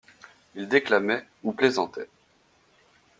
Ils déclamaient ou plaisantaient.